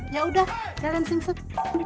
ya udah galian sing set